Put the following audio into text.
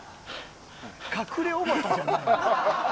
隠れおばたじゃない。